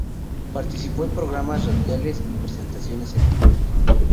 Participó en programas radiales y presentaciones en vivo.